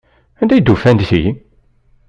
Anda ay d-ufan ti?